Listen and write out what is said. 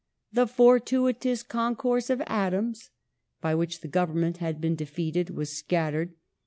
The " fortuitous concourse of atoms" by which the Government had been defeated was scattered.